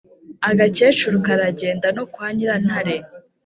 ” agakecuru karagenda no kwa nyirantare